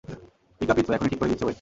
পিকাপইতো, এখনি ঠিক করে দিচ্ছি, ওয়েট!